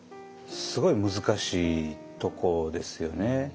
すごい難しいとこですよね。